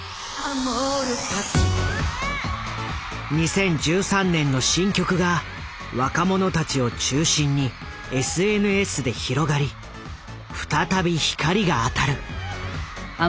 ２０１３年の新曲が若者たちを中心にＳＮＳで広がり再び光が当たる。